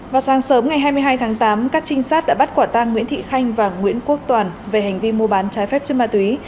vào sáng sớm ngày hai mươi hai tháng tám các trinh sát đã bắt quả tang nguyễn thị khanh và nguyễn quốc toàn về hành vi mua bán trái phép chất ma túy